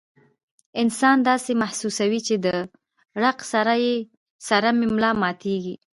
انسان داسې محسوسوي چې د ړق سره مې ملا ماتيږي